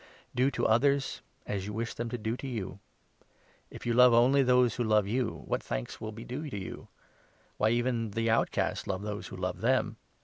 The Do to others as you wish them to do to you. If 31, Golden Rule, you love only those who love you, what thanks will be due to you ? Why, even the outcast love those who love them